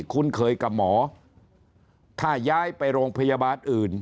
คุ้นเคยกับหมอถ้าย้ายไปโรงพยาบาลอื่น